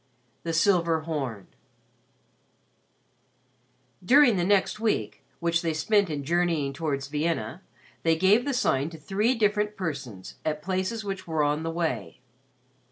XXIII THE SILVER HORN During the next week, which they spent in journeying towards Vienna, they gave the Sign to three different persons at places which were on the way.